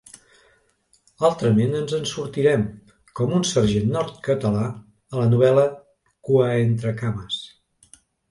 Altrament, ens en sortirem, com un sergent nord-català a la novel·la, “cuaentrecames”.